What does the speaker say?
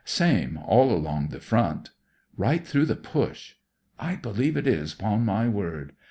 Same all along the front." Right through the Push." I believe it is, *pon me word."